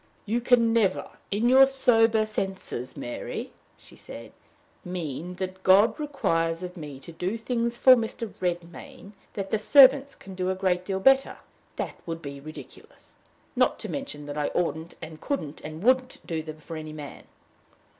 "You can never, in your sober senses, Mary," she said, "mean that God requires of me to do things for Mr. Redmain that the servants can do a great deal better! That would be ridiculous not to mention that I oughtn't and couldn't and wouldn't do them for any man!"